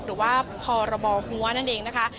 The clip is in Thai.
หรือว่าพรบหัวนั่นเองนะคะ